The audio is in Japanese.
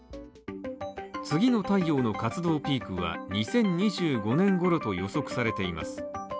次の太陽の活動ピークは２０２５年ごろと予測されています。